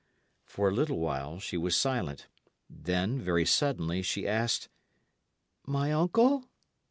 For a little while she was silent. Then, very suddenly, she asked: "My uncle?"